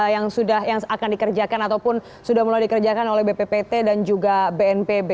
yang akan dikerjakan ataupun sudah mulai dikerjakan oleh bppt dan juga bnpb